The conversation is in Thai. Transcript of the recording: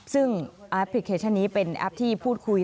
ซึ่งแอปพลิเคชันนี้เป็นแอปที่พูดคุย